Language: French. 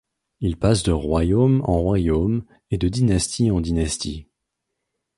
Il passe de royaume en royaume et de dynastie en dynastie.